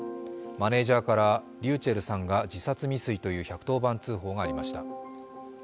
マネージャーからｒｙｕｃｈｅｌｌさんが自殺未遂という１１０番通報がありました。